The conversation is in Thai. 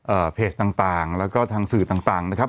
เพจต่างต่างแล้วก็ทางสื่อต่างต่างนะครับ